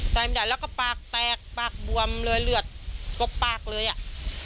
ใหญ่แล้วก็ปากแตกปากบวมเลยเลือดกบปากเลยอ่ะ